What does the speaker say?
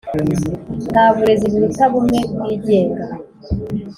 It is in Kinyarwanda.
nta burezi buruta bumwe bwigenga.